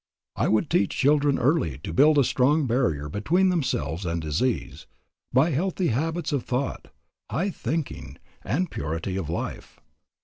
... I would teach children early to build a strong barrier between themselves and disease, by healthy habits of thought, high thinking, and purity of life.